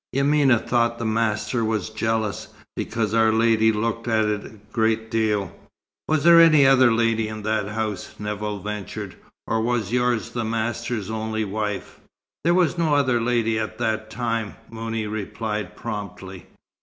Yamina thought the master was jealous, because our lady looked at it a great deal." "Was there any other lady in that house," Nevill ventured, "or was yours the master's only wife?" "There was no other lady at that time," Mouni replied promptly.